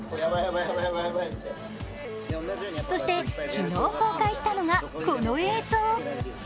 そして、昨日、公開したのがこの映像。